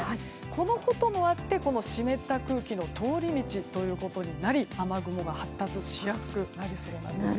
このこともあって湿った空気の通り道となり雨雲が発達しやすくなるそうなんです。